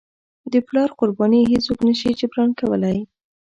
د پلار قرباني هیڅوک نه شي جبران کولی.